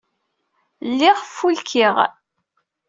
Lliɣ fulkiɣ.